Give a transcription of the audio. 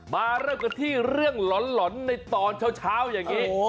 มาเริ่มกันที่เรื่องหล่อนในตอนเช้าอย่างนี้